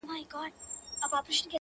تا ويل له سره ماله تېره يم خو؛